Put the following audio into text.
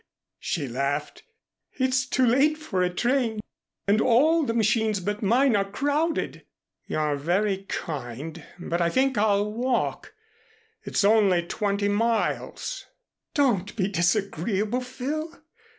she laughed. "It's too late for a train and all the machines but mine are crowded " "You're very kind, but I think I'll walk. It's only twenty miles." "Don't be disagreeable, Phil.